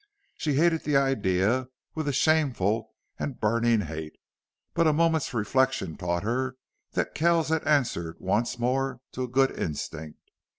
She hated the idea with a shameful and burning hate, but a moment's reflection taught her that Kells had answered once more to a good instinct.